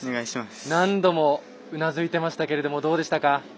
何度もうなずいていましたがどうでしたか？